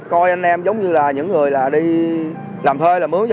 coi anh em giống như là những người là đi làm thuê là mướn cho họ